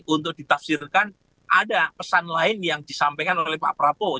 untuk ditafsirkan ada pesan lain yang disampaikan oleh pak prabowo